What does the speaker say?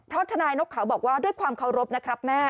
เพราะทนายนกเขาบอกว่าด้วยความเคารพนะครับแม่